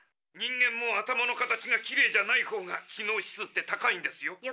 人間も頭の形がきれいじゃないほうが知能指数って高いんですよ。